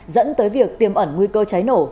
dẫn tới việc tiềm ẩn nguy cơ cháy nổ